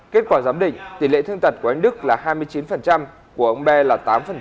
kết quả giám định tỷ lệ thương tật của anh đức là hai mươi chín của ông be là tám